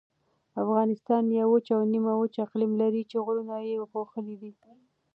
افغانستان یو وچ او نیمه وچ اقلیم لري چې غرونه یې پوښلي دي.